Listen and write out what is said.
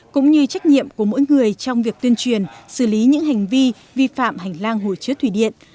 cũng như trách nhiệm của mỗi người trong việc tuyên truyền xử lý những hành vi vi phạm hành lang hồ chứa thủy điện